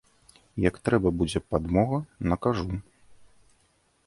Як трэба будзе падмога, накажу.